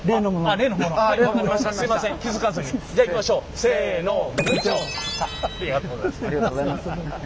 ありがとうございます。